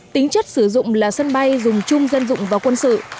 tính chất sử dụng là sân bay dùng chung dân dụng và quân sự